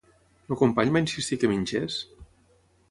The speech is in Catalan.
El company va insistir que mengés?